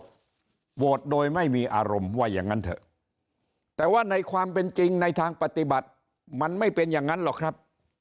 โหวตโดยไม่มีอารมณ์ว่าอย่างนั้นเถอะแต่ว่าในความเป็นจริงในทางปฏิบัติมันไม่เป็นอย่างนั้นหรอกครับ